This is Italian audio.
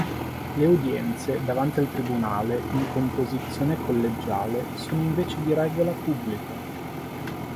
Le udienze davanti al tribunale in composizione collegiale sono invece di regola pubbliche.